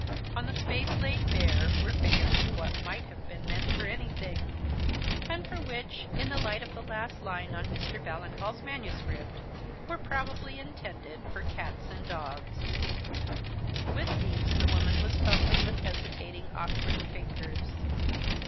On the space laid bare were figures of what might have been meant for anything; and which, in the light of the last line on Mr. Ballingall's manuscript, were probably intended for cats and dogs. With these the woman was fumbling with hesitating, awkward fingers.